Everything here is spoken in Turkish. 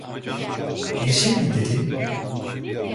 Bir şey mi dedin?